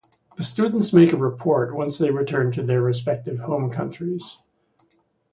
The students make a report once they return to their respective home countries.